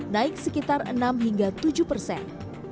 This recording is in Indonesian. naik sekitar enam hingga tujuh persen